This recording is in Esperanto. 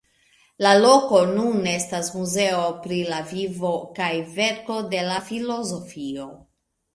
La loko nun estas muzeo pri la vivo kaj verko de la filozofo.